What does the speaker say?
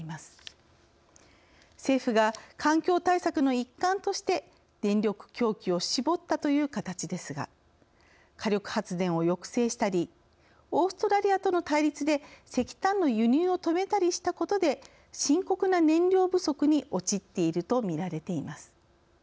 政府が環境対策の一環として電力供給を絞ったという形ですが火力発電を抑制したりオーストラリアとの対立で石炭の輸入を止めたりしたことで深刻な燃料不足に陥っているとみられています。